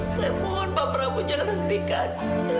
saya mohon pak prabu jangan hentikan